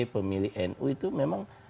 pemilih nu itu memang